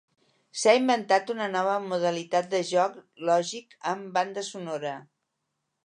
S'ha inventat una nova modalitat de joc lògic amb banda sonora.